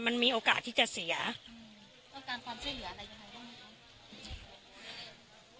มันมีโอกาสที่จะเสียต้องการความช่วยเหลืออะไรยังไงบ้างไหมคะ